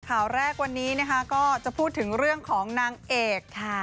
ข่าวแรกวันนี้นะคะก็จะพูดถึงเรื่องของนางเอกค่ะ